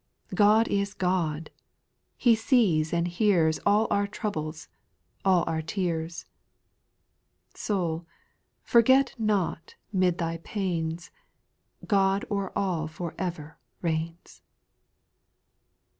God is God ; He sees and hears All our troubles, all our tears. Soul, forget not 'mid thy pains, God o'er all for ever reigns 1 8.